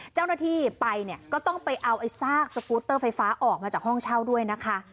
เจ้าหน้าที่ไปเนี่ยก็ต้องไปเอาไอ้ซากสกูตเตอร์ไฟฟ้าออกมาจากห้องเช่าด้วยนะคะ